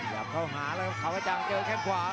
สลับเข้าหาแล้วครับขวาจังเจอแข้งขวา